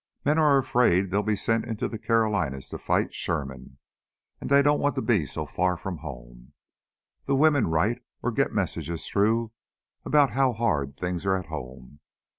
Men are afraid they'll be sent into the Carolinas to fight Sherman, and they don't want to be so far from home. The women write or get messages through about how hard things are at home.